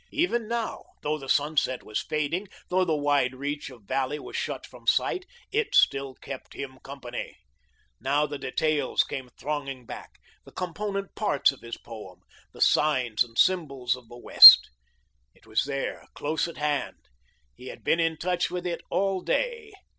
Even now, though the sunset was fading, though the wide reach of valley was shut from sight, it still kept him company. Now the details came thronging back the component parts of his poem, the signs and symbols of the West. It was there, close at hand, he had been in touch with it all day.